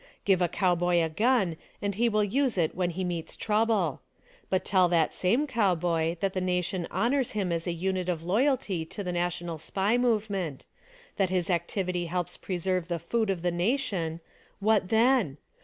Give a cowboy a gun and he will use it when he meets trouble ; but tell that same cowboy that the nation honors him as a unit of loyalty to the national Spy movement ; that his activity helps preserve the food of the nation — 'what then?